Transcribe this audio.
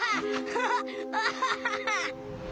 ハハハハ！